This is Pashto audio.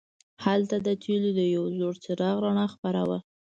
هلته د تیلو د یو زوړ څراغ رڼا خپره وه.